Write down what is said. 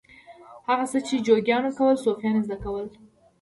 هغه څه چې جوګیانو کول صوفیانو زده کړل.